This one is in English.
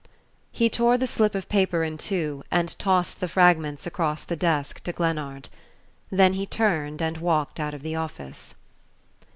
He tore the slip of paper in two and tossed the fragments across the desk to Glennard. Then he turned and walked out of the office.